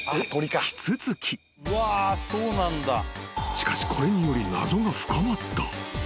［しかしこれにより謎が深まった］